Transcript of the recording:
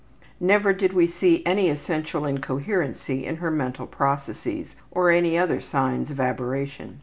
Never did we see any essential incoherency in her mental processes, or any other signs of aberration.